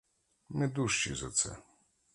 Ми дужчі за це.